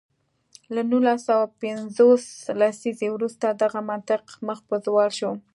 له نولس سوه پنځوس لسیزې وروسته دغه منطق مخ په زوال شو.